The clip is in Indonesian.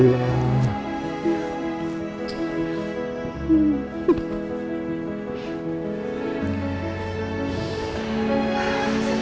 wah sudah selesaiulu